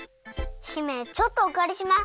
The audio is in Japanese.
姫ちょっとおかりします。